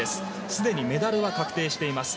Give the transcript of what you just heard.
すでにメダルは確定しています。